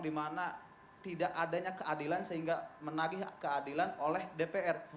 dimana tidak adanya keadilan sehingga menagih keadilan oleh dpr